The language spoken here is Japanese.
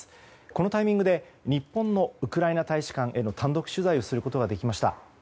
このタイミングで日本のウクライナ大使館への単独取材をすることができました。